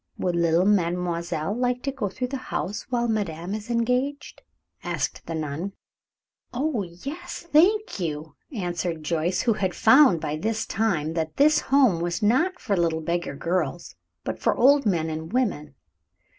"Would the little mademoiselle like to go through the house while madame is engaged?" asked the nun. [Illustration: JOYCE AND SISTER DENISA.] "Oh, yes, thank you," answered Joyce, who had found by this time that this home was not for little beggar girls, but for old men and women.